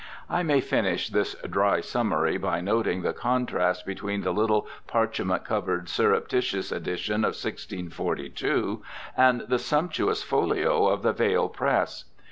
I may finish this dry summary by noting the contrast between the little parchment covered surreptitious edi tion of 1642 and the sumptuous folio of the Vale Press.